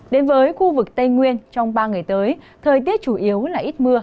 đến với khu vực tây nguyên trong ba ngày tới thời tiết chủ yếu là ít mưa